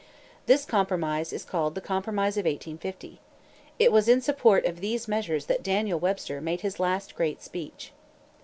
This compromise is called the "Compromise of 1850." It was in support of these measures that Daniel Webster made his last great speech.